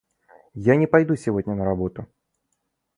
Я не пойду сегодня на работу.